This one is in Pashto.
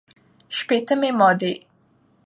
شپېتمې مادې